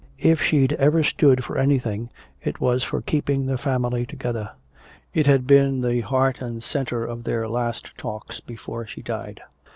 If she'd ever stood for anything, it was for keeping the family together. It had been the heart and center of their last talks before she died.